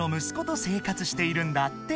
生活しているんだって］